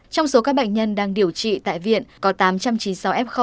trong số các bệnh nhân đang điều trị tại viện có tám trăm chín mươi sáu f